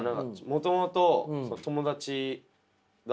もともと友達。